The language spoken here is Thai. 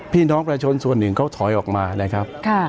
พี่น้องประชาชนส่วนหนึ่งเขาถอยออกมานะครับ